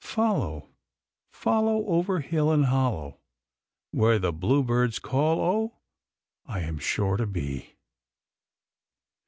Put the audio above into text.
Follow, Follow, Over hill and hollow Where the bluebirds call, O, I am sure to be."